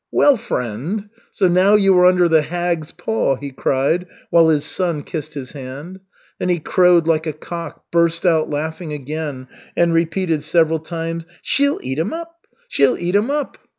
"Well, friend, so now you are under the hag's paw," he cried, while his son kissed his hand. Then he crowed like a cock, burst out laughing again, and repeated several times: "She'll eat him up! She'll eat him up!"